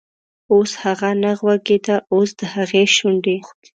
اوس هغه نه خوږیده، اوس دهغې شونډې،